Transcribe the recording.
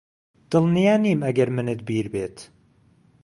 دڵنیا نیم ئەگەر منت بیر بێت